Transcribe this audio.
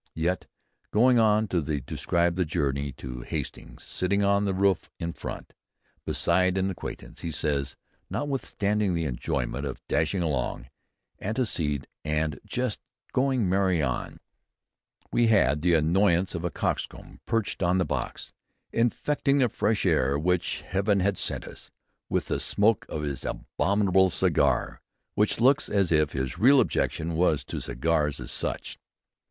Yet, going on to describe a journey to Hastings, sitting "on the roof in front" beside an acquaintance, he says, notwithstanding the enjoyment of dashing along, anecdote and jest going merrily on, "we had the annoyance of a coxcomb perched on the box, infecting the fresh air which Heaven had sent us, with the smoke of his abominable cigar," which looks as if his real objection was to cigars, as such.